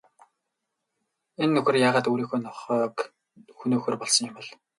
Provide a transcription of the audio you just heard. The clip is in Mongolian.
Энэ нөхөр яагаад өөрийнхөө нохойг хөнөөхөөр болсон юм бол?